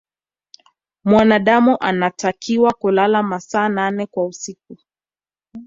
mwanadamu anatakiwa kulala masaa nane kwa siku